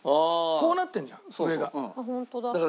こうなってんじゃん上が。